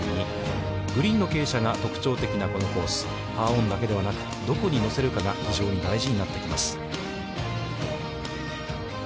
グリーンの傾斜が特徴的なこのコース、パーオンだけでなく、どこに乗せるかが非常に大事になってきます。